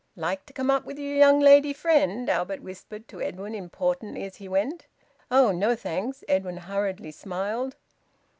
"Like to come up with your young lady friend?" Albert whispered to Edwin importantly as he went. "Oh no, thanks." Edwin hurriedly smiled.